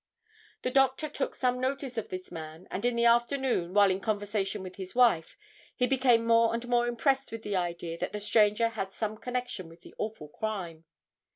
The doctor took some notice of this man and in the afternoon while in conversation with his wife he became more and more impressed with the idea that the stranger had some connection with the awful crime.